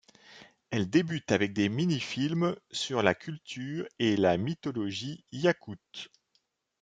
Elle débute avec des mini-films sur la culture et la mythologie iakoute.